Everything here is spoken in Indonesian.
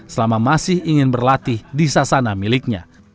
selama masih ingin berlatih di sasana miliknya